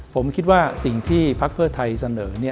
ผมคิดว่าสิ่งที่พักเพื่อไทยเสนอ